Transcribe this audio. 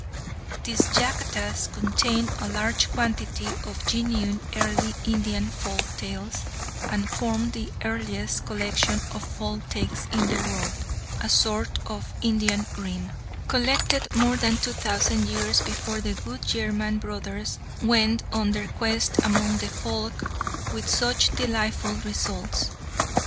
These Jatakas contain a large quantity of genuine early Indian folk tales, and form the earliest collection of folk tales in the world, a sort of Indian Grimm, collected more than two thousand years before the good German brothers went on their quest among the folk with such delightful results.